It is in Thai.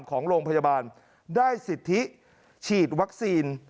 ของโรงพยาบาลได้สิทธิฉีดวัคซีน